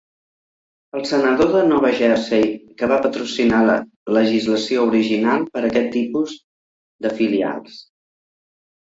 El senador de Nova Jersey que va patrocinar la legislació original per a aquest tipus de filials.